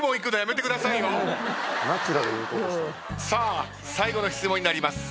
さあ最後の質問になります。